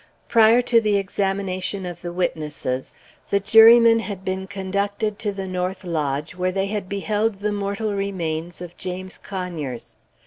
Prior to the examination of the witnesses, the jurymen had been conducted to the north lodge, where they had beheld the mortal remains of James Conyers.